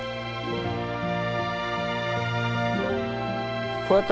ขอบคุณมากครับ